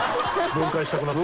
分解したくなった？